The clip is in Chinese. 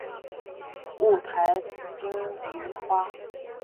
五台金银花